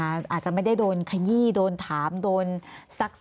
อาจจะไม่ได้โดนขยี้โดนถามโดนซัก